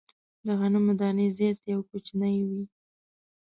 د غنمو دانې زیاتي او کوچنۍ وې.